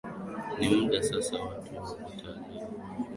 Ni muda Sasa kwa watalii kufika kisiwa cha pangaa kujionea na kujifunza mengi